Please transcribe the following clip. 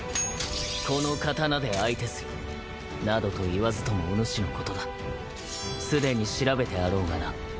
この刀で相手する。などと言わずともおぬしのことだすでに調べてあろうがな。